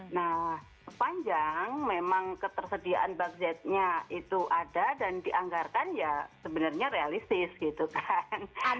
nah sepanjang memang ketersediaan budgetnya itu ada dan dianggarkan ya sebenarnya realistis gitu kan